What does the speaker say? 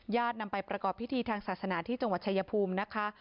นำไปประกอบพิธีทางศาสนาที่จังหวัดชายภูมินะคะ